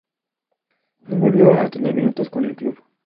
No volvió a tener minutos con el club.